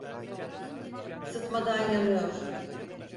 Sıtmadan yanıyor…